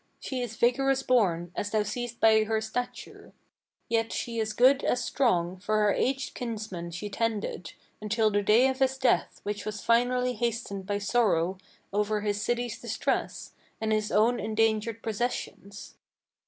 she is vigorous born, as thou seest by her stature; Yet she is good as strong, for her aged kinsman she tended Until the day of his death, which was finally hastened by sorrow Over his city's distress, and his own endangered possessions.